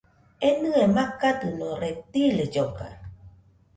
Enɨe makadɨno, reptiles lloga